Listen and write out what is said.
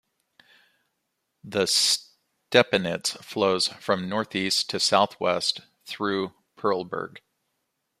The Stepenitz flows from northeast to southwest through Perleberg.